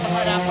semua ada apa